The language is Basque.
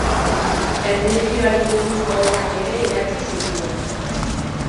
Erlijioari buruzko obrak ere idatzi zituen.